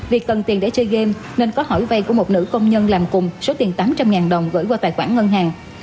việc cần tiền để chơi game nên có hỏi vay của một nữ công nhân làm cùng số tiền tám trăm linh đồng gửi qua tài khoản ngân hàng